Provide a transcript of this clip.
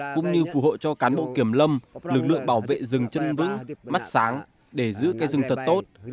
cũng như phù hộ cho cán bộ kiểm lâm lực lượng bảo vệ rừng chân vững mắt sáng để giữ cây rừng thật tốt